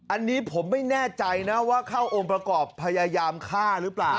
อันนี้ผมไม่แน่ใจนะว่าเข้าองค์ประกอบพยายามฆ่าหรือเปล่า